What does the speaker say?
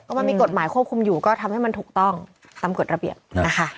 มันมีกฎหมายควบคุมอยู่ก็ทำให้มันถูกต้องตามกฎระเบียบนะคะ